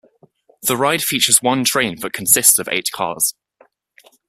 The ride features one train that consists of eight cars.